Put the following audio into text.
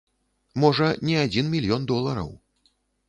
Можа, не адзін мільён долараў.